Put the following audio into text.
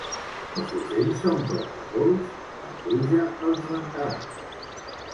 Els ocells s'omplen de pols? La pluja els rentarà.